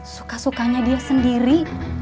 suka sukanya dia sendiri